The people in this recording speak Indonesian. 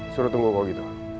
suruh tunggu kok gitu